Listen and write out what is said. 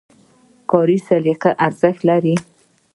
کاري سابقه ارزښت لري